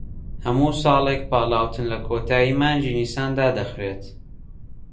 هەموو ساڵێک پاڵاوتن لە کۆتایی مانگی نیسان دادەخرێت